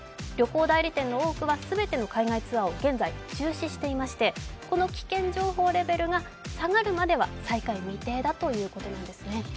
旅行代理店の多くは全ての海外ツアーを現在、中止していまして、この危険情報レベルが下がるまでは再開未定だということなんです。